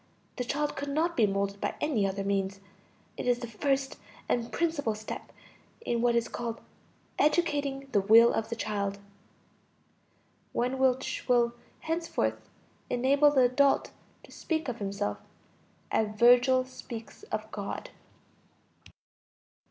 The child could not be molded by any other means. It is the first and principal step in what is called "educating the will of the child," one which will henceforth enable the adult to speak of himself as Virgil speaks of God.